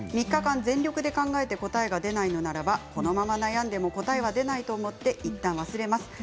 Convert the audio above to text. ３日間全力で考えて答えが出ないのならば、このまま悩んでも答えは出ないと思っていったん忘れます。